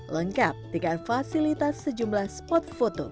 lengkap dengan fasilitas sejumlah spot foto